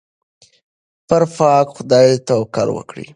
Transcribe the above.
پر پاک خدای توکل وکړئ.